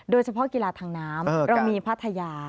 โดยเฉพาะกีฬาทางน้ำเรามีพัทยา